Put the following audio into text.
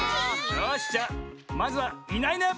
よしじゃあまずは「いないいないばあっ！」